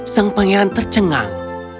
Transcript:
sang pangeran tercengang